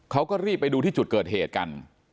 เขาก็รีบไปดูที่จุดเกิดเหตุกัน